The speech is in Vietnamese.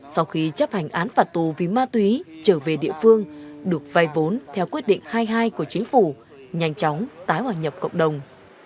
sau khi chấp hành án phạt tù vì ma túy trở về địa phương được vay vốn theo quyết định hai mươi hai của chính phủ nhanh chóng tái hòa nhập cộng đồng